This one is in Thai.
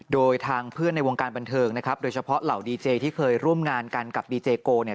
โดยทางเพื่อนในวงการบันเทิงนะครับโดยเฉพาะเหล่าดีเจที่เคยร่วมงานกันกับดีเจโกเนี่ย